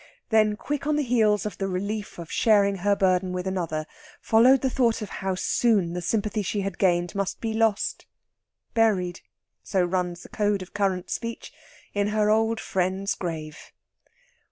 Then quick on the heels of the relief of sharing her burden with another followed the thought of how soon the sympathy she had gained must be lost, buried so runs the code of current speech in her old friend's grave.